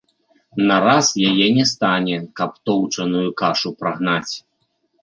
На раз яе не стане, каб тоўчаную кашу прагнаць.